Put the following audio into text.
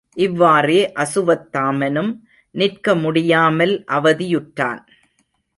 இவ்வாறே அசுவத்தாமனும் நிற்க முடியாமல் அவதியுற்றான்.